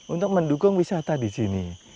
untuk mendukung wisata di sini